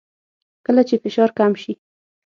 کله چې فشار کم شي